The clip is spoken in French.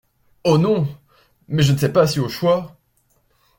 Oh ! non ! mais je ne sais pas si au choix…